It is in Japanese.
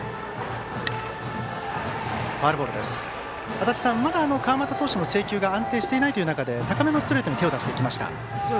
足達さん、まだ川又投手の制球が安定していないという中で高めのストレートに手を出しました。